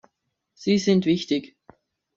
Sie sind wichtig.